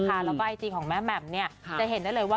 แล้วก็ไอจีของแม่แหม่มเนี่ยจะเห็นได้เลยว่า